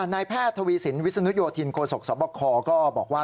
นายแพทย์ทวีสินวิศนุโยธินโคศกสบคก็บอกว่า